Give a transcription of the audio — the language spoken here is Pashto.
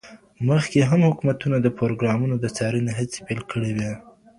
مخکي هم حکومتونو د پروګرامونو د څارني هڅي کړي وې.